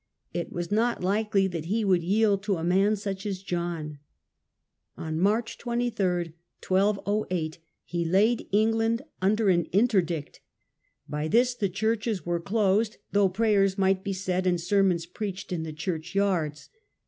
It was not likely that he would yield to a man such as John. On March 23, 1208, he laid England under an. interdict. By this the churches ^j^^ interdict* were closed, though prayers might be said and sermons preached in the churchyards.